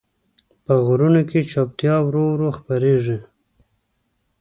په غرونو کې چوپتیا ورو ورو خپرېږي.